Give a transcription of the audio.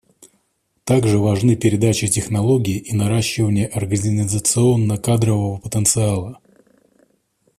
Также важны передача технологий и наращивание организационно-кадрового потенциала.